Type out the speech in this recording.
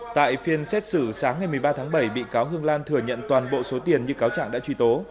tại phiên xét xử sáng ngày một mươi ba tháng bảy bị cáo hương lan thừa nhận toàn bộ số tiền như cáo trạng đã truy tố